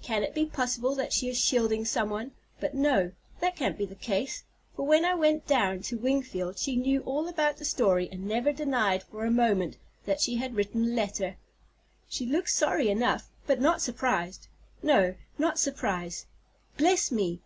Can it be possible that she is shielding someone; but no, that can't be the case, for when I went down to Wingfield she knew all about the story and never denied for a moment that she had written the letter. She looked sorry enough, but not surprised—no, not surprised. Bless me!